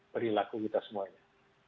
perilaku kita semuanya